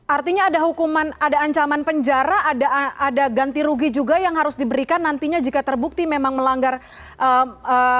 artinya ada hukuman ada ancaman penjara ada ganti rugi juga yang harus diberikan nantinya jika terbukti memang melanggar eee